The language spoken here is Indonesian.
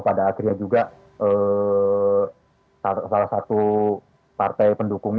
pada akhirnya juga salah satu partai pendukung